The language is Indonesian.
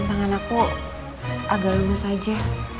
tangan aku agak lemes aja